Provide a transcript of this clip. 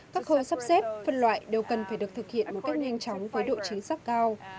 các khâu sắp xếp phân loại đều cần phải được thực hiện một cách nhanh chóng với độ chính xác cao